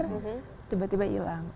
sending lebih besar tiba tiba hilang